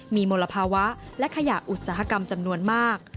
มีมลภาวะและขยะอุตสาหกรรมจำนวนมาก